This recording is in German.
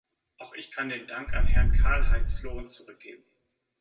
Auch ich kann den Dank an Herrn Karl-Heinz Florenz zurückgeben.